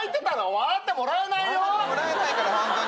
笑ってもらえないからホントに。